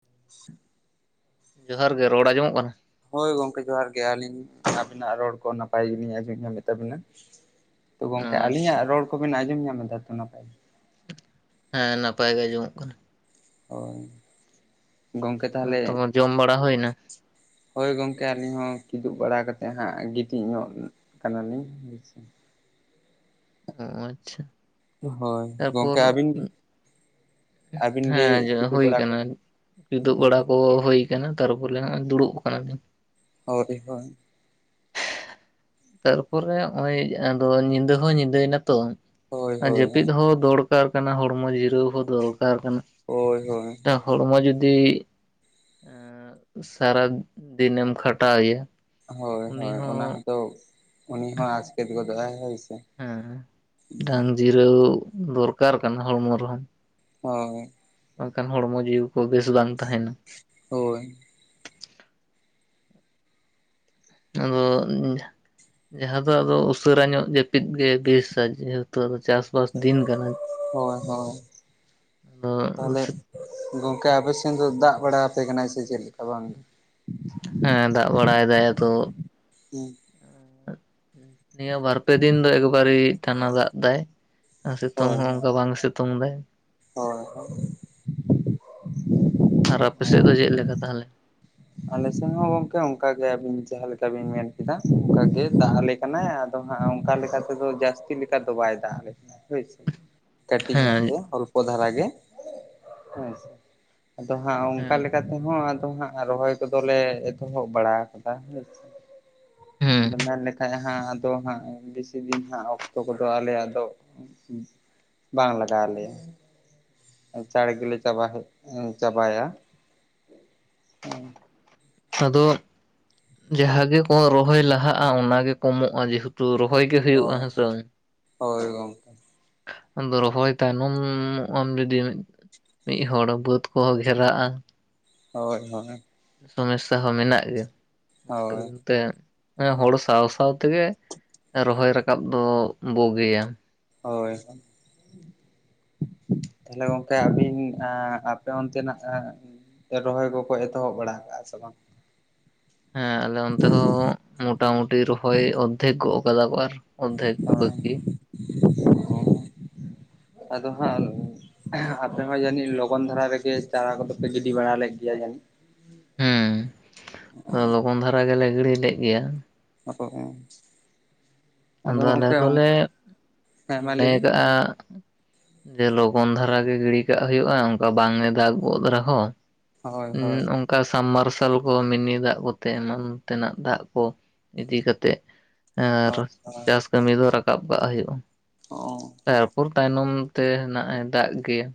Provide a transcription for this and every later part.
[unintelligible] ᱡᱚᱦᱟᱨ ᱜᱮ ᱨᱚᱲ ᱟᱸᱡᱚᱢᱚᱜ ᱠᱟᱱᱟ? ᱦᱳᱭ ᱜᱚᱢᱠᱮ ᱡᱚᱦᱟᱨ ᱜᱮ ᱟᱹᱞᱤᱧ ᱟᱵᱤᱱᱟᱜ ᱨᱚᱲ ᱠᱚ ᱱᱟᱯᱟᱭ ᱜᱮᱞᱤᱧ ᱟᱡᱚᱢ ᱧᱟᱢᱮᱜ ᱛᱟᱹᱵᱤᱱᱟ᱾ ᱛᱚ ᱜᱚᱝᱠᱮ ᱟᱹᱞᱤᱧᱟᱜ ᱟᱪᱪᱷᱟ ᱨᱚᱲ ᱠᱚᱵᱮᱱ ᱟᱸᱡᱚᱢ ᱧᱟᱢ ᱮᱫᱟ ᱛᱚ ᱱᱟᱯᱟᱭ ᱜᱮ? ᱦᱮᱸ ᱱᱟᱯᱟᱭ ᱜᱮ ᱟᱸᱡᱚᱢᱚᱜ ᱠᱟᱱᱟ᱾ ᱳᱭ ᱛᱚᱢᱚ ᱡᱚᱢ ᱵᱟᱲᱟ ᱦᱩᱭᱱᱟ? ᱦᱳᱭ ᱜᱚᱝᱠᱮ ᱟᱹᱞᱤᱧ ᱦᱚᱸ ᱠᱤᱫᱩᱵ ᱵᱟᱲᱟ ᱠᱟᱛᱮᱫ ᱦᱟᱸᱜ ᱜᱤᱛᱤᱡ ᱧᱚᱜ ᱠᱟᱱᱟᱞᱤᱧ᱾ ᱚ ᱟᱪᱪᱷᱟ ᱦᱳᱭ ᱛᱟᱨᱯᱚᱨ ᱜᱚᱢᱠᱮ ᱟᱹᱵᱤᱱ ᱜᱮ? ᱟᱹᱵᱤᱱ ᱜᱮ ᱦᱮᱸ ᱡᱚᱜ ᱠᱤᱫᱩᱵ ᱦᱩᱭ ᱵᱟᱲᱟ ᱟᱠᱟᱱᱟ ᱠᱟᱱᱟ ᱠᱤᱫᱩᱜ ᱵᱟᱲᱟ ᱠᱚ ᱦᱩᱭ ᱟᱠᱟᱱᱟ ᱛᱟᱨᱯᱚᱨᱮ ᱦᱟᱸᱜ ᱫᱩᱲᱩᱵ ᱟᱠᱟᱱᱟᱞᱤᱧ ᱦᱳᱭ ᱦᱳᱭ ᱛᱟᱨᱯᱚᱨᱮ ᱱᱚᱜ ᱚᱭ ᱟᱫᱚ ᱧᱤᱫᱟᱹ ᱦᱚᱸ ᱧᱤᱫᱟᱹᱭᱮᱱᱟᱛᱚ, ᱦᱳᱭ ᱦᱳᱭ ᱡᱟᱹᱯᱤᱫ ᱦᱚᱸ ᱫᱚᱲ- ᱫᱚᱨᱠᱟᱨ ᱠᱟᱱᱟ ᱦᱚᱲᱢᱚ ᱡᱤᱨᱟᱹᱣ ᱦᱚᱸ ᱫᱚᱨᱠᱟᱨ ᱠᱟᱱᱟ ᱾ ᱦᱳᱭ ᱦᱳᱭ ᱦᱚᱲᱢᱚ ᱡᱩᱫᱤ ᱮᱸ ᱥᱟᱨᱟ ᱫᱤᱱᱮᱢ ᱠᱷᱟᱴᱟᱣᱮᱭᱟ ᱦᱳᱭ ᱩᱱᱤ ᱦᱳᱭ ᱚᱱᱟ ᱦᱚᱸ ᱦᱚᱸᱛᱚ, ᱩᱱᱤ ᱦᱚᱸ ᱟᱥᱠᱮᱛ ᱜᱚᱫᱚᱜ ᱟᱭ ᱦᱳᱭ ᱥᱮ ᱾ ᱦᱮᱸ ᱰᱟᱝ ᱡᱤᱨᱟᱹᱣ ᱫᱚᱨᱠᱟᱨ ᱠᱟᱱᱟ ᱦᱚᱲᱢᱚ ᱨᱮᱦᱚᱸ ᱦᱳᱭ ᱵᱟᱝᱠᱟᱱ ᱦᱚᱲᱢᱚ ᱡᱤᱣᱤ ᱠᱚ ᱵᱮᱥ ᱵᱟᱝ ᱛᱟᱦᱮᱱᱟ, ᱦᱳᱭ ᱟᱫᱚ ᱡᱟᱦᱟᱸ ᱫᱚ ᱟᱫᱚ ᱩᱥᱟᱹᱨᱟ ᱧᱚᱜ ᱡᱟᱹᱯᱤᱫ ᱜᱮ ᱵᱮᱥᱟ ᱡᱮᱦᱮᱛᱩ ᱟᱫᱟ ᱪᱟᱥ ᱵᱟᱥ ᱫᱤᱱ ᱠᱟᱱᱟ ᱦᱳᱭ ᱦᱳᱭ ᱛᱟᱦᱚᱞᱮ ᱟᱫᱚ ᱜᱚᱝᱠᱮ ᱟᱯᱮ ᱥᱮᱱ ᱫᱚ ᱫᱟᱜ ᱵᱟᱲᱟ ᱟᱯᱮ ᱠᱟᱱᱟᱭ ᱥᱮ ᱪᱮᱫ ᱞᱮᱠᱟ ᱵᱟᱝ? ᱦᱮᱸ ᱫᱟᱜ ᱵᱟᱲᱟᱭᱮᱫᱟᱭ ᱟᱫᱚ ᱦᱮᱸ ᱦᱩᱸ ᱱᱤᱭᱟᱹ ᱵᱟᱨ ᱯᱮ ᱫᱤᱱ ᱫᱚ ᱮᱠᱵᱟᱨᱮ ᱴᱟᱱᱟ ᱫᱟᱜ ᱫᱟᱭ, ᱥᱤᱛᱩᱝ ᱦᱳᱭ ᱦᱚᱸ ᱦᱳᱭ ᱚᱝᱠᱟ ᱵᱟᱝ ᱥᱤᱛᱩᱝ ᱛᱩᱝ ᱫᱟᱭ ᱦᱳᱭ ᱦᱳᱭ ᱟᱨ ᱟᱯᱮ ᱥᱮᱫ ᱫᱚ ᱪᱮᱫ ᱞᱮᱠᱟ ᱛᱟᱦᱞᱮ? ᱟᱞᱮ ᱥᱮᱱ ᱦᱚᱸ ᱜᱚᱝᱠᱮ ᱚᱱᱠᱟᱜᱮ ᱟᱹᱵᱤᱱ ᱡᱟᱦᱟᱸ ᱞᱮᱠᱟ ᱵᱤᱱ ᱢᱮᱱ ᱠᱮᱫᱟ ᱚᱱᱠᱟᱜᱮ ᱛᱟᱦᱞᱮ ᱠᱟᱱᱟᱭ ᱟᱫᱚ ᱦᱟᱸᱜ ᱚᱝᱠᱟ ᱞᱮᱠᱟ ᱛᱮᱫᱚ ᱡᱟᱹᱥᱛᱤ ᱞᱮᱠᱟ ᱫᱚ ᱵᱟᱭ ᱫᱟᱜ ᱟᱞᱮ ᱠᱟᱱᱟ ᱦᱳᱭᱥᱮ᱾ ᱠᱟᱹᱴᱤᱡ ᱧᱚᱜ ᱦᱮᱸ ᱜᱮ ᱚᱞᱯᱚ ᱫᱷᱟᱨᱟ ᱜᱮ ᱦᱮᱸ ᱥᱮ᱾ ᱟᱫᱚ ᱦᱟᱸᱜ ᱚᱝᱠᱟ ᱦᱮᱸ ᱞᱮᱠᱟᱛᱮᱦᱚᱸ ᱟᱫᱚ ᱦᱟᱸᱜ ᱨᱚᱦᱚᱭ ᱠᱚᱫᱚᱞᱮ ᱮᱛᱚᱦᱚᱵ ᱵᱟᱲᱟ ᱟᱠᱟᱫᱟ ᱦᱮᱸᱥᱮ ᱦᱮᱸ ᱟᱫᱚ ᱢᱮᱱᱞᱮᱠᱷᱟᱡ ᱦᱟᱸᱜ ᱛᱚ ᱦᱟᱸᱜ ᱵᱤᱥᱤ ᱫᱤᱱ ᱦᱟᱸᱜ ᱚᱠᱛᱚ ᱠᱚᱫᱚ ᱟᱞᱮᱭᱟᱜ ᱫᱚ ᱵᱟᱝ ᱞᱟᱜᱟᱣ ᱟᱞᱮᱭᱟ᱾ ᱪᱟᱲ ᱜᱮᱞᱮ ᱪᱟᱵᱟ ᱦᱮᱡ ᱪᱟᱵᱟᱭᱟ᱾ ᱟᱫᱚ ᱡᱟᱦᱟᱸ ᱜᱮᱠᱚ ᱨᱚᱦᱚᱭ ᱞᱟᱦᱟᱜᱼᱟ, ᱚᱱᱟ ᱜᱮ ᱠᱚᱢᱚᱜᱼᱟ ᱡᱮᱦᱩᱛ᱾ ᱛᱳ ᱨᱚᱦᱚᱭ ᱜᱮ ᱦᱩᱭᱩᱜᱼᱟ, ᱦᱳᱭ ᱦᱮᱸᱥᱮ ᱵᱟᱝ? ᱦᱳᱭ ᱜᱚᱝᱠᱮ ᱟᱫᱚ ᱨᱚᱦᱚᱭ ᱛᱟᱭᱱᱚᱢᱚ ᱢᱚᱜᱼᱟᱢ ᱡᱩᱫᱤ ᱢᱤᱫ ᱢᱤᱫ ᱦᱚᱲ ᱵᱟᱹᱫᱽ ᱠᱚᱦᱚ ᱜᱷᱮᱨᱟᱜᱼᱟ᱾ ᱦᱳᱭ ᱦᱳᱭ᱾ ᱥᱚᱢᱮᱥᱥᱟ ᱦᱚᱸ ᱢᱮᱱᱟᱜ ᱜᱮᱭᱟ, ᱚᱱᱟ ᱦᱳᱭ ᱠᱟᱨᱚᱱ ᱛᱮ ᱦᱚᱲᱳ ᱥᱟᱶ ᱥᱟᱶ ᱛᱮᱜᱮ ᱨᱚᱦᱚᱭ ᱨᱟᱠᱟᱵ ᱫᱚ ᱵᱩᱜᱤᱭᱟ᱾ ᱦᱳᱭ᱾ ᱛᱚᱦᱚᱞᱮ ᱜᱚᱝᱠᱮ ᱟᱹᱵᱤᱱ ᱟᱸᱜ ᱟᱯᱮ ᱚᱱᱛᱮᱱᱟᱜ ᱨᱚᱦᱚᱭ ᱠᱚᱠᱚ ᱮᱛᱚᱦᱚᱵ ᱵᱟᱲᱟ ᱟᱠᱟᱜᱼᱟ ᱥᱮ ᱵᱟᱝ? ᱦᱮᱸ ᱟᱞᱮ ᱚᱱᱛᱮ ᱦᱚᱸ ᱢᱚᱴᱟ ᱢᱩᱴᱤ ᱨᱚᱦᱚᱭ ᱚᱨᱫᱷᱮᱠ ᱜᱚᱜ ᱟᱠᱟᱫᱟ ᱠᱚ ᱟᱨ ᱚᱫᱫᱷᱮᱠ ᱵᱟᱹᱠᱤ ᱚ ᱟᱫᱚ ᱦᱟᱸᱜ ᱟᱯᱮ ᱦᱚᱸ ᱡᱟᱱᱤᱡ ᱞᱚᱜᱚᱱ ᱫᱷᱟᱨᱟ ᱨᱮᱜᱮ, ᱪᱟᱨᱟ ᱠᱚᱫᱚ ᱯᱮ ᱜᱤᱰᱤ ᱵᱟᱲᱟ ᱞᱮᱫ ᱜᱮᱭᱟ ᱡᱟᱱᱤᱡ? ᱦᱩᱸ, ᱞᱚᱜᱚᱱ ᱫᱷᱟᱨᱟ ᱜᱮᱞᱮ ᱜᱤᱲᱤ ᱞᱮᱫ ᱜᱮᱭᱟ᱾ [unintelligible] ᱟᱫᱚ ᱟᱞᱮ ᱜᱚᱝᱠᱮ ᱫᱚᱞᱮ ᱦᱮᱸ ᱢᱟ ᱞᱟᱹᱭ ᱢᱚᱱᱮᱭ ᱵᱤᱱ ᱠᱟᱜᱼᱟ ᱡᱮ ᱞᱚᱜᱚᱱ ᱫᱷᱟᱨᱟ ᱜᱮ ᱜᱤᱲᱤ ᱠᱟᱜ ᱦᱩᱭᱩᱜᱼᱟ, ᱚᱱᱠᱟ ᱵᱟᱝ ᱮ ᱫᱟᱜ ᱜᱚᱫ ᱨᱮᱦᱚᱸ᱾ ᱦᱳᱭ ᱩᱸ ᱦᱳᱭ ᱚᱱᱠᱟ ᱥᱟᱢᱢᱟᱨᱥᱟᱞ ᱠᱚ ᱢᱤᱱᱤ ᱫᱟᱜ ᱠᱚᱛᱮ ᱮᱢᱟᱱ ᱛᱮᱱᱟᱜ ᱫᱟᱜ ᱠᱚ᱾ ᱤᱫᱤ ᱠᱟᱛᱮᱜ ᱟᱨ ᱦᱳᱭ ᱪᱟᱥ ᱠᱟᱹᱢᱤ ᱫᱚ ᱨᱟᱠᱟᱵ ᱠᱟᱜ ᱦᱩᱭᱩᱜᱼᱟ᱾ ᱛᱟᱨᱯᱚᱨ ᱛᱟᱭᱱᱚᱢ ᱛᱮ ᱦᱮᱱᱟᱜ ᱮ ᱫᱟᱜ ᱜᱮᱭᱟ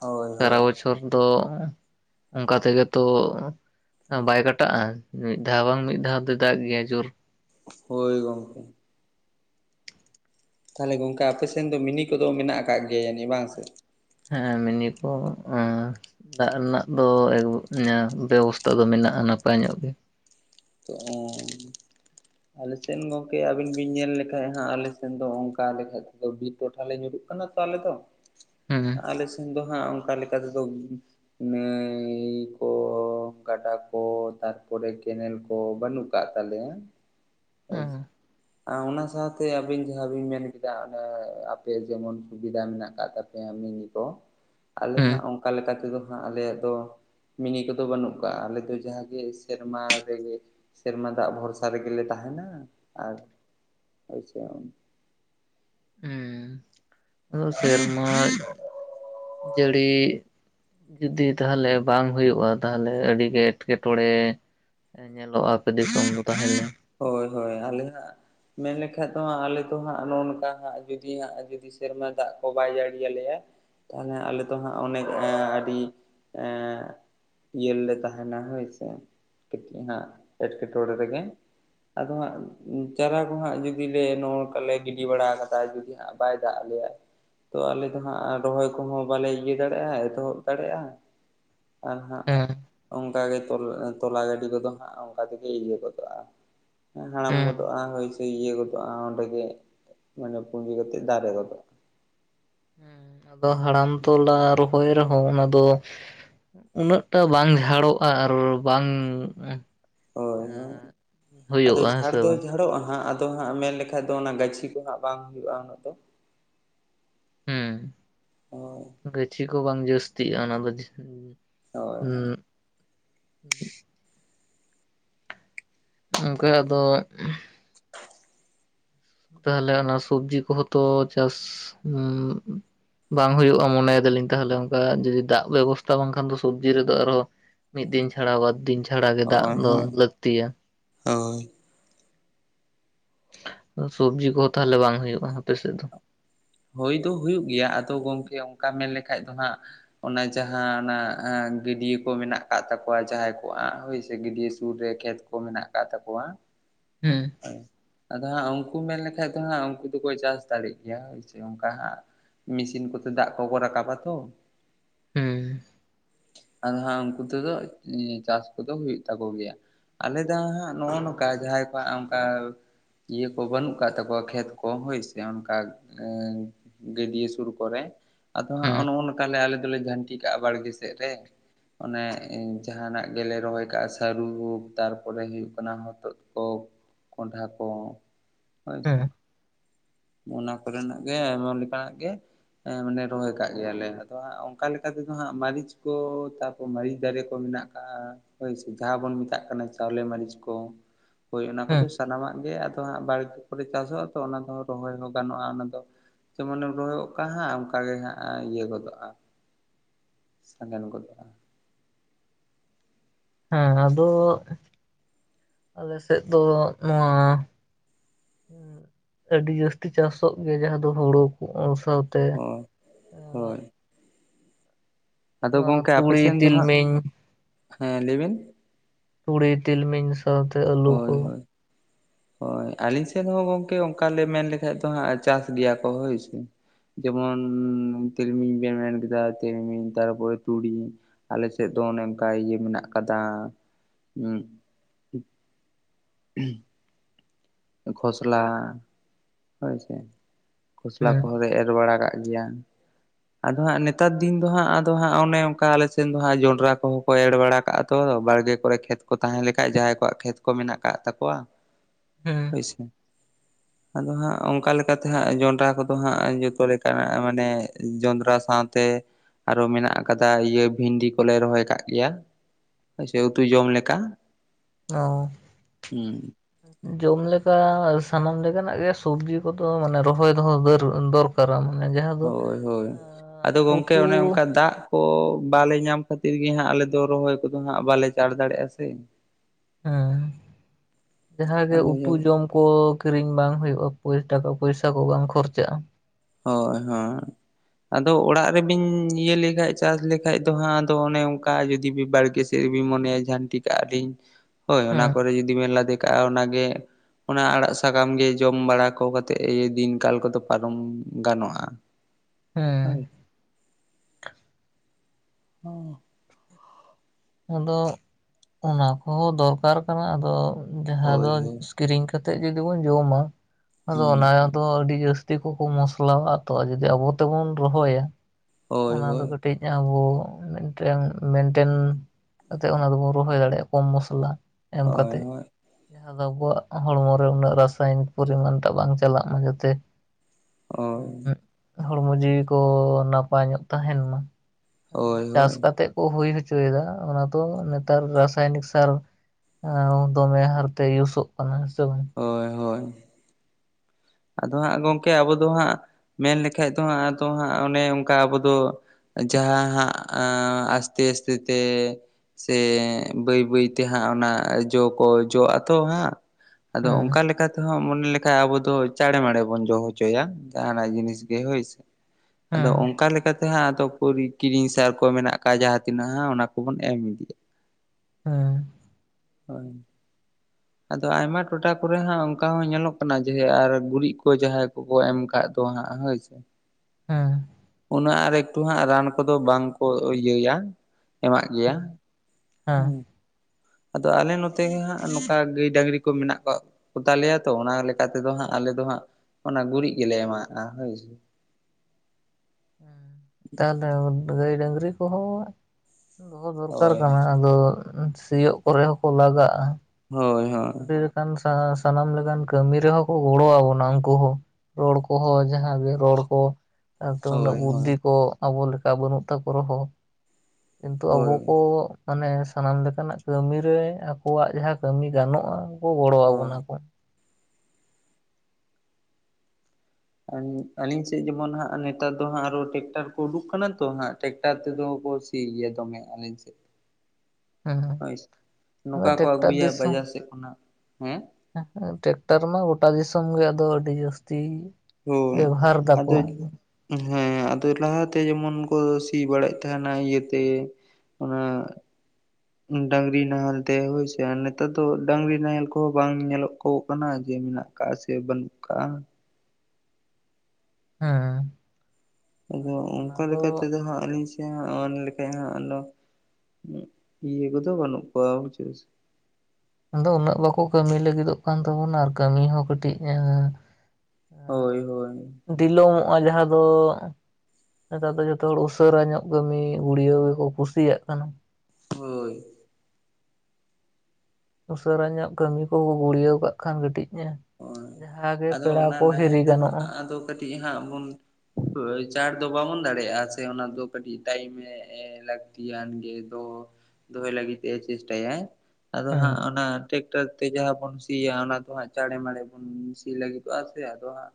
ᱦᱳᱭ ᱥᱟᱨᱟ ᱦᱳᱭ ᱵᱚᱪᱷᱚ ᱦᱚᱨ ᱫᱚ ᱚᱱᱠᱟ ᱛᱮᱜᱮ ᱛᱚ ᱵᱟᱭ ᱠᱟᱴᱟᱜᱼᱟ ᱢᱤᱫ ᱫᱷᱟᱣ ᱵᱟᱝ ᱢᱤᱫ ᱫᱷᱟᱣ ᱫᱚᱭ ᱫᱟᱜ ᱜᱮᱭᱟ ᱡᱳᱨ᱾ ᱦᱳᱭ ᱜᱚᱝᱠᱮ᱾ ᱛᱟᱦᱚᱞᱮ ᱜᱚᱝᱠᱮ ᱟᱯᱮ ᱥᱮᱱ ᱫᱚ ᱢᱤᱱᱤ ᱠᱚᱫᱚ ᱢᱮᱱᱟᱜ ᱟᱠᱟᱜ ᱜᱮᱭᱟ, ᱡᱟᱱᱤᱡ ᱵᱟᱝ ᱥᱮ? ᱦᱮᱸ ᱢᱮᱱᱤ ᱠᱚ, ᱚᱸ ᱫᱟᱜ ᱨᱮᱱᱟᱜ ᱫᱚ, ᱮᱜᱚ ᱵᱮᱵᱚᱥᱛᱟ ᱫᱚ ᱢᱮᱱᱟᱜᱼᱟ ᱱᱟᱯᱟᱭ ᱧᱚᱜ ᱜᱮ᱾ [unintelligible] ᱟᱞᱮᱥᱮᱱ ᱜᱚᱝᱠᱮ ᱟᱵᱤᱱ ᱵᱤᱱ ᱧᱮᱞ ᱞᱮᱠᱷᱟᱱᱡ ᱦᱟᱸᱜ ᱟᱞᱮᱥᱮᱱ ᱫᱚ ᱚᱝᱠᱟ ᱞᱮᱠᱷᱟ ᱛᱮᱫᱚ ᱵᱤᱨ ᱴᱚᱴᱷᱟ ᱞᱮ ᱧᱩᱨᱩᱜ ᱠᱟᱱᱟ ᱛᱚ ᱟᱞᱮ ᱫᱚ ᱦᱩᱸ ᱟᱞᱮ ᱥᱮᱱ ᱫᱚ ᱦᱟᱸᱜ ᱚᱝᱠᱟ ᱞᱮᱠᱟ ᱛᱮᱫᱚ ᱱᱟᱹᱭ ᱠᱚ ᱜᱟᱰᱟ ᱠᱚ ᱛᱟᱨᱯᱚᱨᱮ ᱠᱮᱱᱮᱞ ᱠᱚ᱾ ᱚ ᱵᱟᱹᱱᱩᱜ ᱠᱟᱫ ᱛᱟᱞᱮᱭᱟ᱾ᱦᱳᱭ ᱚᱱᱟ ᱥᱟᱶᱛᱮ ᱟᱹᱵᱤᱱ ᱡᱟᱦᱟᱸ ᱵᱤᱱ ᱢᱮᱱ ᱠᱮᱫᱟ᱾ ᱚᱱᱮ ᱟᱯᱮ ᱡᱮᱢᱚᱱ ᱥᱩᱵᱤᱫᱟ ᱢᱮᱱᱟᱜ ᱠᱟᱫ ᱛᱟᱯᱮᱭᱟ ᱢᱤᱱᱤ᱾ ᱛᱚ, ᱟᱞᱮ ᱦᱩᱸ ᱦᱟᱸᱜ ᱚᱱᱠᱟ ᱞᱮᱠᱟ ᱛᱮᱫᱚ ᱦᱟᱸᱜ ᱟᱞᱮᱭᱟᱜ ᱫᱚ ᱢᱤᱱᱤ ᱠᱚᱫᱚ ᱵᱟᱹᱱᱩᱜ ᱠᱟᱜᱼᱟ, ᱟᱞᱮ ᱫᱚ ᱡᱟᱦᱟᱸ ᱜᱮ ᱥᱮᱨᱢᱟ ᱨᱮᱜᱮ᱾ ᱥᱮᱨᱢᱟ ᱫᱟᱜ ᱵᱷᱚᱨᱥᱟ ᱨᱮᱜᱮᱞᱮ ᱛᱟᱸᱦᱮᱱᱟ ᱟᱨ ᱦᱳᱭᱪᱮᱱ ᱦᱩᱸ ᱟᱫᱚ ᱥᱮᱨᱢᱟ ᱡᱟᱹᱲᱤ ᱡᱩᱫᱤ ᱛᱟᱦᱚᱞᱮ ᱵᱟᱝ ᱦᱩᱭᱩᱜᱼᱟ, ᱛᱟᱦᱚᱞᱮ ᱟᱹᱰᱤᱜᱮ ᱮᱴᱠᱮᱴᱚᱬᱮ᱾ ᱦᱮᱸ ᱧᱮᱞᱚᱜᱼᱟ᱾ ᱟᱯᱮ ᱫᱤᱥᱚᱢ ᱫᱚ ᱛᱟᱦᱚᱞᱮ ᱦᱳᱭ ᱦᱳᱭ ᱟᱞᱮᱭᱟᱜ ᱢᱮᱱ ᱞᱮᱠᱷᱟᱜ ᱫᱚ ᱦᱟᱸᱜ ᱟᱞᱮ ᱫᱚ ᱦᱟᱸᱜ ᱱᱚᱜ ᱱᱚᱝᱠᱟ ᱦᱟᱸᱜ ᱡᱩᱫᱤ ᱦᱟᱸᱜ ᱡᱩᱫᱤ ᱥᱮᱨᱢᱟ ᱫᱟᱜ ᱠᱚ ᱵᱟᱭ ᱡᱟᱹᱲᱤᱭᱟᱞᱮᱭᱟ ᱛᱟᱦᱞᱮ ᱟᱞᱮ ᱫᱚ ᱦᱟᱸᱜ ᱚᱱᱮ ᱟᱰᱤ ᱮ ᱤᱭᱟᱹ ᱞᱮ ᱛᱟᱦᱮᱸᱱᱟ ᱦᱳᱭ ᱥᱮ ᱠᱟᱹᱴᱤᱡ ᱦᱟᱸᱜ ᱮᱴᱠᱮᱴᱚᱬᱮ ᱨᱮᱜᱮ ᱟᱫᱚ ᱦᱟᱸᱜ ᱪᱟᱨᱟ ᱠᱚ ᱦᱟᱸᱜ ᱡᱩᱫᱤ ᱞᱮ ᱱᱚᱜᱼᱚ ᱱᱚᱝᱠᱟᱞᱮ ᱜᱤᱰᱤ ᱵᱟᱲᱟ ᱠᱟᱫᱟ ᱡᱩᱫᱤ ᱦᱟᱸᱜ ᱵᱟᱭ ᱫᱟᱜ ᱟᱞᱮᱭᱟ ᱛᱚ ᱟᱞᱮ ᱫᱚ ᱦᱟᱸᱜ ᱨᱚᱦᱚᱭ ᱠᱚᱦᱚᱸ ᱵᱟᱞᱮ ᱤᱭᱟᱹ ᱫᱟᱲᱮᱭᱟᱜᱼᱟ ᱮᱛᱚᱦᱚᱵ ᱫᱟᱲᱮᱭᱟᱜᱼᱟ ᱟᱨ ᱦᱟᱸᱜ ᱚᱝᱠᱟᱜᱮ ᱛᱚᱞᱟ ᱜᱟᱹᱰᱤ ᱠᱚᱫᱚ ᱦᱟᱸᱜ ᱚᱝᱠᱟ ᱛᱮᱜᱮ ᱤᱭᱟᱹ ᱜᱚᱫᱚᱜᱼᱟ ᱦᱟᱲᱟᱢ ᱦᱮᱸ ᱜᱚᱫᱚᱜᱼᱟ ᱦᱳᱭ ᱥᱮ ᱤᱭᱟᱹ ᱜᱚᱫᱚᱜᱼᱟ ᱚᱸᱰᱮ ᱜᱮ ᱢᱟᱱᱮ ᱯᱩᱸᱡᱤ ᱠᱟᱛᱮᱜ ᱫᱟᱨᱮ ᱜᱚᱫᱚᱜᱼᱟ ᱦᱮᱸ ᱟᱫᱚ ᱦᱟᱲᱟᱢ ᱛᱚᱞᱟ ᱨᱚᱦᱚᱭ ᱨᱮᱦᱚᱸ ᱚᱱᱟ ᱫᱚ ᱩᱱᱟᱹᱜ ᱴᱟᱜ ᱵᱟᱝ ᱡᱷᱟᱲᱚᱜᱼᱟ ᱟᱨ ᱵᱟᱝ ᱦᱳᱭ ᱦᱳᱭ ᱟᱫᱚ ᱦᱩᱭᱩᱜᱼᱟ ᱦᱮᱸ ᱡᱷᱟᱲ ᱥᱮ ᱫᱚ ᱵᱟᱝ ᱡᱷᱟᱲᱚᱜᱼᱟ ᱦᱟᱸᱜ ᱟᱫᱚ ᱦᱟᱸᱜ ᱢᱮᱱᱞᱮᱠᱷᱟᱡ ᱫᱚ ᱚᱱᱟ ᱜᱟᱹᱪᱷᱤ ᱠᱚ ᱦᱟᱸᱜ ᱵᱟᱝ ᱦᱩᱭᱩᱜᱼᱟ ᱩᱱᱟᱹᱜ ᱫᱚ ᱦᱩᱸ ᱦᱳᱭ ᱜᱟᱹᱪᱷᱤ ᱠᱚ ᱵᱟᱝ ᱡᱟᱹᱥᱛᱤᱜᱼᱟ ᱚᱱᱟ ᱫᱚ ᱦᱳᱭ [unintelligible] ᱚᱝᱠᱟ ᱟᱫᱚ ᱛᱟᱦᱞᱮ ᱚᱱᱟ ᱥᱚᱵᱡᱤ ᱠᱚᱦᱚᱸ ᱛᱚ ᱪᱟᱥ ᱦᱩᱸ ᱵᱟᱝ ᱦᱩᱭᱩᱜᱼᱟ ᱢᱚᱱᱮᱭ ᱫᱟᱞᱤᱧ ᱛᱟᱦᱞᱮ ᱚᱝᱠᱟ ᱡᱩᱫᱤ ᱫᱟᱜ ᱵᱮᱵᱚᱥᱛᱟ ᱵᱟᱝ ᱠᱷᱟᱱ ᱫᱚ ᱥᱚᱵᱽᱡᱤ ᱨᱮᱫᱚ ᱟᱨᱦᱚᱸ ᱢᱤᱫ ᱫᱤᱱ ᱪᱷᱟᱲᱟ ᱵᱟᱨ ᱫᱤᱱ ᱪᱷᱟᱲᱟ ᱜᱮ ᱫᱟᱜ ᱦᱳᱭ ᱫᱚ ᱦᱳᱭ ᱞᱟᱹᱠᱛᱤᱭᱟ ᱦᱳᱭ ᱥᱚᱵᱽᱡᱤ ᱠᱚᱦᱚᱸ ᱛᱟᱦᱞᱮ ᱵᱟᱝ ᱦᱩᱭᱩᱜᱼᱟ ᱟᱯᱮᱥᱮᱫ ᱫᱚ ᱦᱳᱭ ᱫᱚ ᱦᱩᱭᱩᱜ ᱜᱮᱭᱟ ᱟᱫᱚ ᱜᱚᱝᱠᱮ ᱚᱝᱠᱟ ᱢᱮᱱ ᱞᱮᱠᱷᱟᱡ ᱫᱚ ᱦᱟᱸᱜ ᱚᱱᱟ ᱡᱟᱦᱟᱸ ᱚᱱᱟ ᱜᱟᱹᱰᱭᱟᱹ ᱠᱚ ᱢᱮᱱᱟᱜ ᱠᱟᱜ ᱛᱟᱠᱚᱣᱟ ᱡᱟᱦᱟᱸᱭ ᱠᱚᱼᱣᱟᱜ ᱦᱳᱭ ᱥᱮ ᱜᱟᱹᱰᱭᱟᱹ ᱥᱩᱨ ᱨᱮ ᱠᱷᱮᱛ ᱢᱮᱱᱟᱜ ᱠᱟᱜ ᱛᱟᱠᱚᱣᱟ ᱦᱩᱸ ᱦᱳᱭ ᱟᱫᱚ ᱦᱟᱸᱜ ᱩᱝᱠᱩ ᱢᱮᱱ ᱞᱮᱠᱷᱟᱡ ᱫᱚ ᱦᱟᱸᱜ ᱩᱝᱠᱩ ᱫᱚᱠᱚ ᱪᱟᱥ ᱫᱟᱲᱮᱜ ᱜᱮᱭᱟ ᱦᱳᱭ ᱥᱮ ᱚᱝᱠᱟ ᱦᱟᱸᱜ ᱢᱤᱥᱤᱱ ᱠᱚᱛᱮ ᱫᱟᱜ ᱠᱚᱠᱚ ᱨᱟᱠᱟᱵᱟ ᱛᱚ ᱦᱩᱸ ᱟᱫᱚ ᱦᱟᱸᱜ ᱩᱝᱠᱩ ᱛᱮᱫᱚ ᱪᱟᱥ ᱠᱚᱫᱚ ᱦᱩᱭᱩᱜ ᱛᱟᱠᱚ ᱜᱮᱭᱟ ᱟᱞᱮ ᱫᱚ ᱦᱟᱸᱜ ᱱᱚᱜᱼᱚ ᱱᱚᱝᱠᱟ ᱡᱟᱦᱟᱸᱭ ᱠᱚᱣᱟᱜ ᱚᱝᱠᱟ ᱤᱭᱟᱹ ᱠᱚ ᱵᱟᱹᱱᱩᱜ ᱠᱟᱜ ᱛᱟᱠᱚᱣᱟ ᱠᱷᱮᱛ ᱠᱚ ᱦᱳᱭ ᱥᱮ ᱚᱝᱠᱟ ᱜᱟᱹᱰᱭᱟᱹ ᱥᱩᱨ ᱠᱚᱨᱮ ᱟᱫᱚ ᱦᱟᱸᱜ ᱦᱮᱸ ᱚᱱᱼᱚᱱᱠᱟ ᱞᱮ ᱟᱞᱮ ᱫᱚᱞᱮ ᱡᱷᱟᱹᱱᱴᱤ ᱠᱟᱜᱼᱟ ᱵᱟᱲᱜᱮ ᱥᱮᱫ ᱨᱮ ᱚᱱᱮ ᱡᱟᱦᱟᱱᱟᱜ ᱜᱮᱞᱮ ᱨᱚᱦᱚᱭ ᱠᱟᱜᱼᱟ ᱥᱟᱹᱨᱩ ᱦᱳᱠ ᱛᱟᱨᱯᱚᱨᱮ ᱦᱩᱭᱩᱜ ᱠᱟᱱᱟ ᱦᱚᱛᱚᱫ ᱦᱳᱠ ᱠᱚᱸᱰᱷᱟ ᱠᱚ ᱦᱳᱭᱥᱮ ᱦᱮᱸ ᱚᱱᱟ ᱠᱚᱨᱮᱱᱟᱜ ᱜᱮ ᱮᱢᱚᱱ ᱞᱮᱠᱟᱱᱟᱜ ᱜᱮ ᱦᱮᱸ ᱢᱟᱱᱮ ᱨᱚᱦᱚᱭ ᱠᱟᱜ ᱜᱮᱭᱟᱞᱮ ᱟᱫᱚ ᱦᱟᱸᱜ ᱚᱝᱠᱟ ᱞᱮᱠᱟ ᱛᱮᱫᱚ ᱦᱟᱸᱜ ᱢᱟᱹᱨᱤᱪ ᱠᱚ ᱛᱟᱯᱚᱨ ᱢᱟᱹᱨᱤᱪ ᱫᱟᱨᱮ ᱠᱚ ᱢᱮᱱᱟᱜ ᱦᱳᱭ ᱥᱮ ᱡᱟᱦᱟᱸ ᱵᱚᱱ ᱢᱮᱛᱟᱜ ᱠᱟᱱᱟ ᱪᱟᱣᱞᱮ ᱢᱟᱹᱨᱤᱪ ᱠᱚ ᱦᱳᱭ ᱚᱱᱟ ᱦᱮᱸ ᱠᱚᱫᱚ ᱡᱚᱢᱟᱜ ᱜᱮ ᱟᱫᱚ ᱦᱟᱸᱜ ᱵᱟᱲᱜᱮ ᱠᱚᱨᱮ ᱪᱟᱥᱚᱜᱼᱟ ᱛᱚ ᱚᱱᱟ ᱫᱚ ᱨᱚᱦᱚᱭ ᱦᱚᱸ ᱜᱟᱱᱚᱜᱼᱟ ᱚᱱᱟ ᱫᱚ ᱡᱮᱢᱚᱱᱮᱢ ᱨᱚᱦᱚᱭᱚᱜ ᱦᱟᱸᱜ ᱚᱱᱠᱟᱜ ᱜᱮ ᱦᱟᱸᱜ ᱤᱭᱟᱹ ᱜᱚᱫᱚᱜᱼᱟ ᱥᱟᱜᱮᱱ ᱜᱚᱫᱚᱜᱼᱟ ᱦᱮᱸ ᱟᱫᱚ ᱟᱞᱮ ᱥᱮᱫ ᱫᱚ ᱱᱚᱣᱟ ᱦᱩᱸ ᱟᱹᱰᱤ ᱡᱟᱹᱥᱛᱤ ᱪᱟᱥᱚᱜ ᱜᱮᱭᱟ ᱡᱟᱦᱟᱸ ᱫᱚ ᱦᱩᱲᱩ ᱠᱚ ᱥᱟᱶᱛᱮ ᱚ ᱦᱳᱭ ᱟᱫᱚ ᱱᱚᱣᱟ ᱜᱚᱝᱠᱮ ᱛᱩᱲᱤ ᱟᱯᱮᱥᱮᱱ ᱫᱚ ᱦᱟᱸᱜ ᱛᱤᱞᱢᱤᱧ ᱦᱮᱸ ᱞᱟᱹᱭᱵᱤᱱ ᱛᱩᱲᱤ ᱛᱤᱞᱢᱤᱧ ᱥᱟᱶᱛᱮ ᱟᱹᱞᱩ ᱠᱚ ᱦᱳᱭ ᱦᱳᱭ ᱦᱳᱭ ᱟᱞᱤᱧ ᱥᱮᱫ ᱦᱚᱸ ᱜᱚᱝᱠᱮ ᱚᱝᱠᱟ ᱞᱮ ᱢᱮᱱ ᱞᱮᱠᱷᱟᱜ ᱫᱚ ᱦᱟᱸᱜ ᱪᱟᱥ ᱜᱮᱭᱟ ᱠᱚ ᱦᱳᱭᱥᱮ ᱡᱮᱢᱚᱱ ᱛᱤᱞᱢᱤᱧ ᱵᱮᱱ ᱢᱮᱱ ᱠᱮᱫᱟ ᱛᱤᱞᱢᱤᱧ ᱛᱟᱨᱯᱚᱨᱮ ᱛᱩᱲᱤ ᱟᱞᱮ ᱥᱮᱫ ᱫᱚ ᱚᱱᱮ ᱚᱝᱠᱟ ᱤᱭᱟᱹ ᱢᱮᱱᱟᱜ ᱠᱟᱫᱟ ᱩᱸᱜ ᱦᱩᱸ [unintelligible] ᱠᱷᱚᱥᱞᱟ ᱦᱳᱭ ᱥᱮ ᱠᱷᱚᱥᱞᱟ ᱦᱮᱸ ᱠᱚᱦᱚᱸ ᱞᱮ ᱮᱨ ᱵᱟᱲᱟ ᱠᱟᱜ ᱜᱮᱭᱟ ᱟᱫᱚ ᱦᱟᱸᱜ ᱱᱮᱛᱟᱨ ᱫᱤᱱ ᱫᱚ ᱦᱟᱸᱜ ᱟᱫᱚ ᱦᱟᱸᱜ ᱚᱱᱮ ᱚᱱᱠᱟ ᱟᱞᱮ ᱥᱮᱫ ᱫᱚ ᱦᱟᱸᱜ ᱡᱚᱸᱰᱨᱟ ᱠᱚᱦᱚᱸ ᱠᱚ ᱮᱨ ᱵᱟᱲᱟ ᱠᱟᱜᱼᱟ ᱛᱚ ᱵᱟᱲᱜᱮ ᱠᱚᱨᱮ ᱠᱷᱮᱛ ᱠᱚ ᱛᱟᱦᱮᱸ ᱞᱮᱠᱷᱟᱱ ᱡᱟᱦᱟᱸᱭ ᱠᱚᱣᱟᱜ ᱠᱷᱮᱛ ᱠᱚ ᱢᱮᱱᱟᱜ ᱠᱟᱫ ᱛᱟᱠᱚᱣᱟ ᱦᱮᱸ ᱦᱩᱭᱥᱮ ᱟᱫᱚ ᱦᱟᱸᱜ ᱚᱱᱠᱟ ᱞᱮᱠᱟᱛᱮ ᱦᱟᱸᱜ ᱡᱚᱱᱰᱨᱟ ᱠᱚᱫᱚ ᱦᱟᱸᱜ ᱡᱚᱛᱚ ᱞᱮᱠᱟᱱᱟᱜ ᱢᱟᱱᱮ ᱡᱚᱱᱰᱨᱟ ᱥᱟᱶᱛᱮ ᱟᱨᱚ ᱢᱮᱱᱟᱜ ᱟᱠᱟᱫᱟ ᱤᱭᱟᱹ ᱵᱷᱤᱱᱰᱤ ᱠᱚᱞᱮ ᱨᱚᱦᱚᱭ ᱠᱟᱜ ᱜᱮᱭᱟ ᱦᱳᱭ ᱥᱮ ᱩᱛᱩ ᱡᱚᱢ ᱞᱮ ᱞᱮᱠᱟ ᱚ ᱦᱩᱸ ᱡᱚᱢᱞᱮ ᱞᱮᱠᱟ ᱥᱟᱱᱟᱢ ᱞᱮᱠᱟᱱᱟᱜ ᱜᱮ ᱥᱚᱵᱡᱤ ᱠᱚᱫᱚ ᱢᱟᱱᱮ ᱨᱚᱦᱚᱭ ᱫᱚᱦᱚ ᱫᱚᱨ ᱟᱨ ᱟ ᱢᱟᱱᱮ ᱡᱟᱦᱟᱸ ᱫᱚ ᱦᱳᱭ ᱦᱳᱭ ᱟᱫᱚ ᱜᱚᱝᱠᱮ ᱩᱛᱩ ᱚᱱᱮ ᱚᱱᱠᱟ ᱫᱟᱜ ᱠᱚ ᱵᱟᱞᱮ ᱧᱟᱢ ᱠᱷᱟᱹᱛᱤᱨ ᱜᱮ ᱦᱟᱸᱜ ᱟᱞᱮ ᱫᱚ ᱨᱚᱦᱚᱭ ᱠᱚᱫᱚ ᱦᱟᱸᱜ ᱵᱟᱞᱮ ᱪᱟᱟᱲ ᱫᱟᱲᱮᱭᱟᱜᱼᱟ ᱥᱮ ᱦᱮᱸ ᱡᱟᱦᱟᱸ ᱜᱮ ᱟᱫᱚ ᱩᱛᱩ ᱡᱚᱢ ᱠᱚ ᱠᱤᱨᱤᱧ ᱵᱟᱝ ᱦᱩᱭᱩᱜᱼᱟ ᱴᱟᱠᱟ ᱯᱚᱭᱥᱟ ᱠᱚ ᱵᱟᱝ ᱠᱷᱚᱨᱪᱟᱜᱼᱟ᱾ ᱦᱳᱭ ᱦᱳᱭ ᱟᱫᱚ ᱚᱲᱟᱜ ᱨᱮᱵᱤᱱ ᱤᱭᱟᱹ ᱞᱮᱠᱷᱟᱡ ᱪᱟᱥ ᱞᱮᱠᱷᱟᱡ ᱫᱚ ᱦᱟᱸᱜ ᱟᱫᱚ ᱚᱱᱮ ᱚᱱᱠᱟ ᱡᱩᱫᱤ ᱵᱟᱲᱜᱮ ᱥᱮ ᱪᱮ ᱵᱤᱱ ᱢᱚᱱᱮᱭᱟ ᱡᱷᱟᱱᱴᱤ ᱠᱟᱜ ᱞᱤᱧ ᱦᱳᱭ ᱚᱱᱟ ᱦᱮᱸ ᱠᱚᱨᱮ ᱡᱩᱫᱤ ᱵᱮᱱ ᱞᱟᱫᱮ ᱠᱟᱜᱼᱟ ᱚᱱᱟᱜ ᱜᱮ ᱚᱱᱟ ᱟᱲᱟᱜ ᱥᱟᱠᱟᱢ ᱜᱮ ᱡᱚᱢ ᱵᱟᱲᱟ ᱠᱚ ᱠᱟᱛᱮᱜ ᱤᱭᱟᱹ ᱫᱤᱱ ᱠᱟᱞ ᱠᱚᱫᱚ ᱯᱟᱨᱚᱢ ᱜᱟᱱᱚᱜᱼᱟ ᱦᱮᱸ ᱦᱳᱭ ᱚ [unintelligible] ᱟᱫᱚ ᱚᱱᱟ ᱠᱚᱦᱚᱸ ᱫᱚᱨᱠᱟᱨ ᱠᱟᱱᱟ ᱟᱫᱚ ᱡᱟᱦᱟᱸ ᱫᱚ ᱦᱳᱭ ᱠᱤᱨᱤᱧ ᱠᱟᱛᱮᱫ ᱡᱩᱫᱤ ᱵᱚᱱ ᱡᱚᱢᱟ ᱟᱫᱚ ᱚᱱᱟ ᱦᱩᱸ ᱫᱚ ᱟᱹᱰᱤ ᱡᱟᱹᱥᱛᱤ ᱠᱚᱠᱚ ᱢᱚᱥᱞᱟᱣᱟ ᱛᱚ ᱡᱩᱫᱤ ᱟᱵᱚ ᱛᱮᱵᱚᱱ ᱨᱚᱦᱚᱭᱟ ᱦᱳᱭ ᱚᱱᱟ ᱫᱚ ᱦᱳᱭ ᱠᱟᱹ ᱴᱤᱡ ᱟᱵᱚ ᱢᱤᱫᱴᱟᱝ ᱢᱮᱱᱴᱮᱱ ᱟᱛᱮᱫ ᱚᱱᱟ ᱫᱚᱵᱚᱱ ᱨᱚᱦᱚᱭ ᱫᱟᱲᱮᱭᱟᱜᱼᱟ ᱠᱚᱢ ᱢᱚᱥᱞᱟ ᱮᱢ ᱦᱳᱭ ᱠᱟᱛᱮᱫ ᱦᱳᱭ ᱡᱟᱦᱟᱸ ᱫᱚ ᱟᱵᱚᱣᱟᱜ ᱦᱚᱲᱢᱚ ᱨᱮ ᱩᱱᱟᱹᱜ ᱨᱟᱥᱟᱭᱱᱤᱠ ᱯᱚᱨᱤᱢᱟᱱ ᱴᱟᱜ ᱵᱟᱝ ᱪᱟᱞᱟᱜ ᱤᱱᱟᱹᱛᱮ ᱦᱳᱭ ᱩᱸ ᱦᱚᱲᱢᱚ ᱡᱤᱣᱤ ᱠᱚ ᱱᱟᱯᱟᱭ ᱧᱚᱜ ᱛᱟᱦᱮᱱ ᱢᱟ᱾ ᱦᱳᱭ ᱡᱟᱦᱟᱸ ᱪᱟᱥ ᱦᱳᱭ ᱠᱟᱛᱮᱜ ᱠᱚ ᱦᱩᱭ ᱦᱚᱪᱚᱭᱮᱫᱟ ᱚᱱᱟ ᱫᱚ ᱱᱮᱛᱟᱨ ᱨᱟᱥᱟᱭᱚᱱᱤᱠ ᱥᱟᱨ ᱚ ᱫᱚᱢᱮ ᱦᱟᱨᱛᱮ ᱤᱭᱩᱥᱚᱜ ᱠᱟᱱᱟ ᱥᱮ ᱵᱟᱝ ᱦᱳᱭ ᱦᱳᱭ ᱟᱫᱚ ᱦᱟᱸᱜ ᱜᱚᱢᱠᱮ ᱟᱵᱚ ᱫᱚ ᱦᱟᱸᱜ ᱢᱮᱱ ᱞᱮᱠᱷᱟᱡ ᱫᱚ ᱦᱟᱸᱜ ᱟᱫᱚ ᱦᱟᱸᱜ ᱚᱱᱮ ᱚᱱᱠᱟ ᱟᱵᱚ ᱫᱚ ᱡᱟᱦᱟᱸ ᱦᱟᱸᱜ ᱟᱥᱛᱮ ᱟᱥᱛᱮ ᱛᱮ ᱥᱮ ᱵᱟᱹᱭ ᱵᱟᱹᱭᱛᱮ ᱦᱟᱸᱜ ᱚᱱᱟ ᱡᱚ ᱠᱚ ᱡᱚᱜ ᱟᱛᱚ ᱦᱟᱸᱜ ᱟᱫᱚ ᱦᱮᱸ ᱚᱱᱠᱟ ᱛᱮᱦᱚᱸ ᱢᱚᱱᱮ ᱞᱮᱠᱟᱱᱡ ᱟᱵᱚ ᱫᱚ ᱪᱟᱬᱮ ᱢᱟᱲᱮ ᱵᱚᱱ ᱡᱚ ᱦᱚᱪᱚᱭᱟ ᱡᱟᱦᱟᱱᱟᱜ ᱡᱤᱱᱤᱥ ᱜᱮ ᱦᱳᱭ ᱥᱮ ᱟᱫᱚ ᱦᱮᱸ ᱚᱱᱠᱟ ᱞᱮᱠᱟᱛᱮ ᱦᱮ ᱛᱚ ᱯᱩᱨᱤ ᱠᱤᱨᱤᱧ ᱥᱟᱨ ᱠᱚ ᱢᱮᱱᱟᱜ ᱠᱫ ᱡᱟᱦᱟᱸ ᱛᱤᱱᱟᱹᱜ ᱦᱟᱸᱜ ᱚᱱᱟ ᱠᱚᱵᱚᱱ ᱮᱢ ᱤᱫᱤᱭᱟ᱾ ᱦᱩᱸ ᱦᱳᱭ ᱟᱫᱚ ᱟᱭᱢᱟ ᱴᱚᱴᱷᱟ ᱠᱚᱨᱮ ᱦᱟᱸᱜ ᱚᱱᱠᱟ ᱦᱚᱸ ᱧᱮᱞᱚᱜ ᱠᱟᱱᱟ ᱡᱮ ᱟᱨ ᱜᱩᱨᱤᱡ ᱠᱚ ᱡᱟᱦᱟᱸᱭ ᱠᱚᱠᱚ ᱮᱢ ᱟᱠᱟᱫ ᱫᱚ ᱦᱟᱸᱜ ᱦᱳᱭ ᱟᱪᱷᱟ ᱦᱮᱸ ᱚᱱᱟᱱᱟ ᱨᱮ ᱱᱚᱣᱟ ᱦᱟᱸᱜ ᱨᱟᱱ ᱠᱚᱫᱚ ᱵᱟᱝ ᱠᱚ ᱤᱭᱟᱹᱭᱟ ᱮᱢᱟᱜ ᱜᱮᱭᱟ᱾ ᱦᱮᱸ ᱦᱮᱸ ᱟᱫᱚ ᱟᱞᱮ ᱱᱚᱛᱮ ᱦᱟᱸᱜ ᱱᱚᱝᱠᱟ ᱜᱟᱹᱭ ᱰᱟᱝᱨᱤ ᱠᱚ ᱢᱮᱱᱟᱜ ᱠᱚᱟᱜ ᱠᱚᱛᱟᱞᱮᱭᱟ ᱛᱚ ᱚᱱᱟ ᱞᱮᱠᱟ ᱛᱮᱫᱚ ᱦᱟᱸᱜ ᱟᱞᱮ ᱫᱚ ᱦᱟᱸᱜ ᱚᱱᱟ ᱜᱩᱨᱤᱡ ᱜᱮᱞᱮ ᱮᱢᱟᱜᱼᱟ ᱦᱳᱭ ᱥᱮ ᱛᱟᱦᱚᱞᱮ ᱜᱟᱹᱭ ᱰᱟᱹᱝᱨᱤ ᱠᱚᱦᱚᱸ ᱫᱚᱦᱚ ᱫᱚᱨᱠᱟᱨ ᱦᱳᱭ ᱠᱟᱱᱟ ᱟᱫᱚ ᱥᱤᱭᱳᱜ ᱠᱚᱨᱮ ᱦᱚᱸᱠᱚ ᱞᱟᱜᱟᱜᱼᱟ᱾ ᱦᱳᱭ᱾ ᱦᱳᱭ ᱟᱹᱰᱤ ᱞᱮᱠᱟᱱ ᱥᱟᱱᱟᱢ ᱞᱮᱠᱟᱱ ᱠᱟᱹᱢᱤ ᱨᱮᱦᱚᱸ ᱠᱚ ᱜᱚᱲᱚ ᱟᱵᱚᱱᱟ ᱩᱱᱠᱩ ᱦᱚᱸ᱾ ᱨᱚᱲ ᱠᱚᱦᱚᱸ ᱡᱟᱦᱟᱸᱜ ᱜᱮ ᱨᱚᱲ ᱠᱚ᱾ ᱟᱫᱚ ᱩᱱᱟᱹᱜ ᱦᱳᱭ ᱵᱩᱫᱽᱫᱷᱤ ᱠᱚ ᱟᱵᱚ ᱞᱮᱠᱟ ᱵᱟᱹᱱᱩᱜ ᱛᱟᱠᱚ ᱨᱮᱦᱚᱸ ᱠᱤᱱᱛᱩ ᱟᱵᱚ ᱦᱳᱭ ᱠᱚ ᱢᱟᱱᱮ ᱥᱟᱱᱟᱢ ᱞᱮᱠᱟᱱᱟᱜ ᱠᱟᱹᱢᱤ ᱨᱮ ᱟᱠᱚᱣᱟᱜ ᱡᱟᱦᱟᱸ ᱠᱟᱹᱢᱤ ᱜᱟᱱᱚᱜ ᱚ ᱜᱚᱲᱚ ᱟᱵᱚᱱᱟ ᱦᱳᱭ ᱠᱚ᱾ ᱟᱞᱤᱧ ᱥᱮᱫ ᱡᱮᱢᱚᱱ ᱦᱟᱸᱜ ᱱᱮᱛᱟᱨ ᱫᱚ ᱦᱟᱸᱜ ᱟᱨᱚ ᱴᱮᱠᱴᱟᱨ ᱠᱚ ᱩᱰᱩᱠ ᱟᱠᱟᱱᱟ ᱛᱚ ᱦᱟᱸᱜ ᱴᱮᱠᱴᱟᱨ ᱛᱮᱫᱚ᱾ ᱴᱷᱤᱠ ᱜᱮᱭᱟ ᱫᱚᱢᱮ ᱟᱞᱮᱧ ᱥᱮᱫ ᱦᱮᱸ ᱦᱳᱭ ᱟᱫᱚ ᱱᱚᱝᱠᱟ ᱠᱚ ᱴᱮᱠᱴᱟᱨ ᱟᱹᱜᱩᱭᱟ ᱵᱟᱡᱟᱨ ᱥᱮᱫ ᱠᱷᱚᱱᱟᱜ ᱦᱮᱸ᱾ ᱴᱨᱟᱠᱴᱟᱨ ᱢᱟ ᱜᱚᱴᱟ ᱫᱤᱥᱚᱢ ᱜᱮ ᱟᱫᱚ ᱟᱹᱰᱤ ᱡᱟᱹᱥᱛᱤ᱾ ᱦᱳᱭ ᱵᱮᱵᱚᱦᱟᱨ ᱫᱟᱠᱚ ᱟᱫᱚ᱾ ᱦᱮᱸ ᱟᱫᱚ ᱞᱟᱦᱟᱛᱮ ᱡᱮᱢᱚᱱ ᱠᱚ ᱥᱤ ᱵᱟᱲᱟᱭᱮᱫ ᱛᱟᱦᱮᱱᱟ ᱤᱭᱟᱹᱛᱮ᱾ ᱚᱱᱟ᱾ ᱰᱟᱹᱝᱨᱤ ᱱᱟᱦᱮᱞ ᱛᱮ ᱦᱳᱭ ᱥᱮ ᱟᱨ ᱱᱮᱛᱟᱨ ᱫᱚ ᱰᱟᱹᱝᱨᱤ ᱱᱟᱦᱮᱞ ᱠᱚᱦᱚᱸ ᱵᱟᱝ ᱧᱮᱞᱚᱜ ᱠᱚ ᱠᱟᱱᱟ ᱡᱮ ᱢᱮᱱᱟᱜ᱾ ᱠᱟᱜ ᱥᱮ ᱵᱚᱱᱩᱜ ᱠᱟᱜ - ᱟ ᱦᱮᱸ᱾ ᱟᱫᱚ ᱚᱱᱟ ᱚᱱᱠᱟ ᱫᱚ ᱞᱮᱠᱟᱛᱮᱫᱚ ᱦᱟᱸᱜ ᱟᱹᱞᱤᱧ [unintelligible] ᱤᱭᱟᱹ ᱠᱚᱫᱚ ᱵᱟᱹᱱᱩᱜ ᱠᱚᱣᱟ [unintelligible] ᱟᱫᱚ ᱩᱱᱟᱹᱜ ᱵᱟᱠᱚ ᱠᱟᱹᱢᱤ ᱞᱟᱹᱜᱤᱫᱚᱜ ᱠᱟᱱ ᱛᱟᱵᱚᱱᱟ ᱟᱨ ᱠᱟᱹᱢᱤ ᱦᱚᱸ ᱠᱟᱹᱴᱤᱡ᱾ ᱦᱳᱭ ᱦᱳᱭ᱾ ᱫᱤᱞᱚᱢᱚᱜᱼᱟ ᱡᱟᱦᱟᱸ ᱫᱚ᱾ ᱱᱮᱛᱟᱨ ᱫᱚ ᱡᱚᱛᱚ ᱦᱚᱲ ᱩᱥᱟᱹᱨᱟ ᱧᱚᱜ ᱠᱟᱹᱢᱤ ᱜᱩᱲᱭᱟᱹᱣ ᱜᱮᱠᱚ ᱠᱩᱥᱤᱭᱟᱜ ᱠᱟᱱᱟ᱾ ᱦᱳᱭ᱾ ᱩᱥᱟᱹᱨᱟ ᱧᱚᱜ ᱠᱟᱹᱢᱤ ᱠᱚᱦᱚᱸ ᱜᱩᱲᱭᱟᱹᱣ ᱠᱟᱜ ᱠᱷᱟᱱ ᱠᱟᱹᱴᱤᱡ ᱧᱚ ᱦᱳᱭ ᱡᱟᱦᱟᱸᱜᱮ ᱯᱮᱲᱟ ᱠᱚ ᱦᱤᱨᱤ ᱜᱟᱱᱚᱜᱼᱟ ᱠᱟᱹ ᱦᱮᱸ [unintelligible] ᱦᱳᱭ ᱪᱟᱨ ᱫᱚ ᱵᱟᱵᱚᱱ ᱫᱟᱲᱮᱭᱟᱜᱼᱟ ᱥᱮ ᱚᱱᱟ ᱫᱚ ᱠᱟᱹᱴᱤᱡ ᱴᱟᱭᱤᱢ ᱮ ᱧᱟᱜ ᱞᱟᱹᱠᱛᱤᱭᱟᱱ ᱜᱮ ᱫᱚᱦᱚ ᱫᱚᱦᱚᱭ ᱞᱟᱹᱜᱤᱫ ᱮ ᱪᱮᱥᱴᱟᱭᱟᱭ ᱟᱫᱚ ᱦᱮᱸ ᱦᱟᱸᱜ ᱚᱱᱟ ᱴᱮᱠᱴᱟᱨ ᱛᱮ ᱡᱟᱦᱟᱸ ᱵᱚᱱ ᱥᱤᱭᱟ ᱚᱱᱟ ᱫᱚ ᱦᱟᱸᱜ᱾ ᱫᱟᱨᱮ ᱢᱟᱨᱮ ᱥᱤ ᱞᱟᱜᱤᱫᱚ ᱟ ᱥᱮ ᱟᱫᱚ ᱦᱟᱸ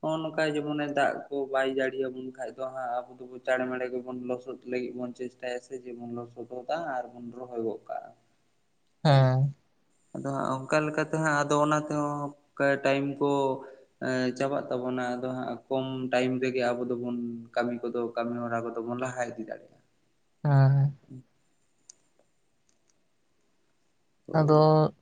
ᱱᱚᱜᱼᱚᱭ ᱱᱚᱝᱠᱟ ᱡᱮᱢᱚᱱᱮ ᱫᱟᱜ ᱠᱚ ᱵᱟᱭ ᱡᱟᱹᱲᱤᱭᱟᱵᱚᱱ ᱠᱷᱟᱡ ᱫᱚ ᱦᱟᱸᱜ ᱟᱵᱚ ᱫᱟᱲᱮᱸ ᱢᱟᱲᱮ ᱜᱮᱵᱚᱱ ᱞᱚᱥᱚᱫ ᱞᱟᱹᱜᱤᱫ ᱵᱚᱱ ᱪᱮᱥᱴᱟᱭᱟ ᱥᱮ ᱡᱮᱵᱚᱱ ᱞᱚᱥᱚᱫᱟ ᱟᱨ ᱵᱚᱱ ᱨᱚᱦᱚᱭ ᱜᱚᱫ ᱠᱟᱜᱼᱟ ᱦᱮᱸ ᱟᱫᱚ ᱦᱟᱸᱜ ᱚᱱᱠᱟ ᱞᱮᱠᱟᱛᱮ ᱦᱟᱸᱜ ᱟᱫᱚ ᱚᱱᱟ ᱛᱮᱦᱚᱸ ᱴᱟᱭᱤᱢ ᱠᱚ᱾ ᱪᱟᱵᱟᱜ ᱛᱟᱵᱚᱱᱟ ᱟᱫᱚ ᱦᱟᱸᱜ ᱠᱚᱢ ᱴᱟᱭᱤᱢ ᱨᱮᱜᱮ ᱟᱵᱚ ᱫᱚᱵᱚᱱ ᱠᱟᱹᱢᱤ ᱠᱚᱫᱚ ᱠᱟᱹᱢᱤ ᱦᱚᱨᱟ ᱠᱚᱫᱚ ᱵᱚᱱ ᱞᱟᱦᱟ ᱤᱫᱤ ᱫᱟᱲᱮᱭᱟᱜᱼᱟ ᱟ ᱦᱳᱭ ᱟᱫᱚ᱾